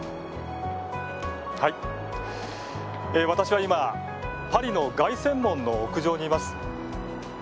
私は今パリの凱旋門の屋上にいます。